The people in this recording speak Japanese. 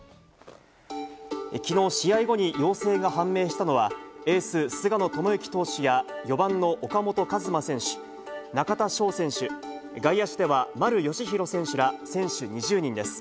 きのう試合後に陽性が判明したのは、エース、菅野智之投手や、４番の岡本和真選手、中田翔選手、外野手では丸佳浩選手ら、選手２０人です。